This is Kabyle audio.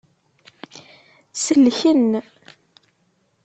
Selken.